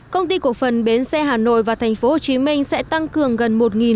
công ty cổ phần bến xe hà nội và tp hcm sẽ tăng cường gần một